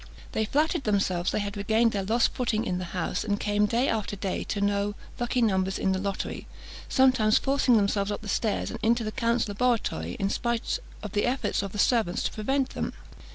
They flattered themselves they had regained their lost footing in the house, and came day after day to know lucky numbers in the lottery, sometimes forcing themselves up the stairs, and into the count's laboratory, in spite of the efforts of the servants to prevent them.